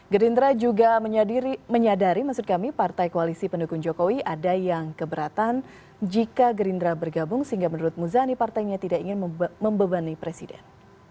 gerindra juga menyadari maksud kami partai koalisi pendukung jokowi ada yang keberatan jika gerindra bergabung sehingga menurut muzani partainya tidak ingin membebani presiden